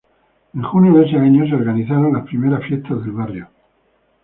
En junio de ese año se organizaron las primeras fiestas del barrio.